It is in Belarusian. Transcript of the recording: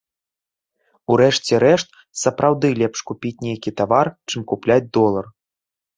У рэшце рэшт, сапраўды лепш купіць нейкі тавар, чым купляць долар.